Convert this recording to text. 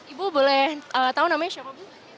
ibu boleh tahu namanya siapa